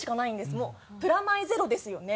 もうプラマイゼロですよね。